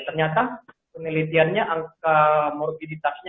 ternyata penelitiannya angka morbiditasnya